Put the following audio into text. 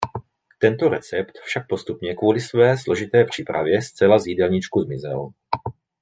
Tento recept však postupně kvůli své složité přípravě zcela z jídelníčku zmizel.